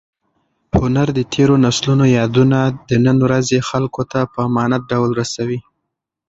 هنر د تېرو نسلونو یادونه د نن ورځې خلکو ته په امانت ډول رسوي.